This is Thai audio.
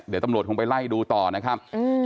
บางรวดคงไปไล่ดูต่อนะครับ